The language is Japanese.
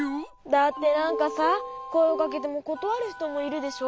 だってなんかさこえをかけてもことわるひともいるでしょ？